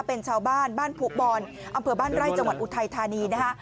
เป็นชาวบ้านบ้านภูบอลอำเภอบ้านไร่จังหวัดอุทัยธานีนะคะ